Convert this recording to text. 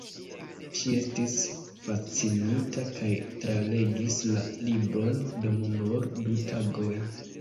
Ŝi estis fascinita kaj tralegis la libron dum nur du tagoj.